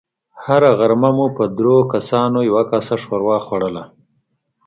هره غرمه مو په دريو کسانو يوه کاسه ښوروا خوړله.